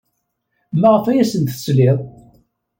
Maɣef ay asent-tesliḍ?